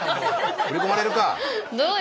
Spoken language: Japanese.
振り込まれるか！